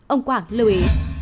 ông quảng lưu ý